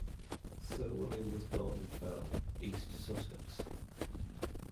Sir William was born in Firle, East Sussex.